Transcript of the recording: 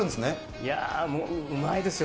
いや、もう、うまいですよ。